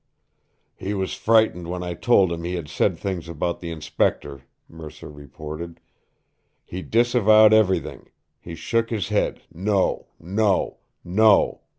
"He was frightened when I told him he had said things about the Inspector," Mercer reported. "He disavowed everything. He shook his head no, no, no.